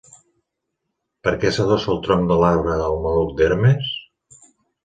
Per què s'adossa el tronc de l'arbre al maluc d'Hermes?